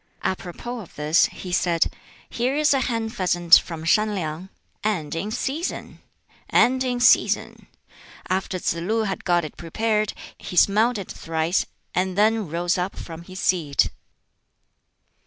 Apropos of this, he said, "Here is a hen pheasant from Shan Liang and in season! and in season!" After Tsz lu had got it prepared, he smelt it thrice, and then rose up from his seat.